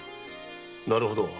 なるほど。